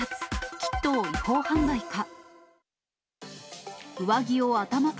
キットを違法販売か。